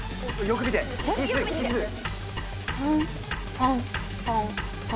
３３３。